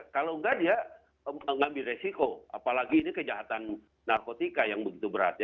kalau enggak dia mengambil resiko apalagi ini kejahatan narkotika yang begitu berat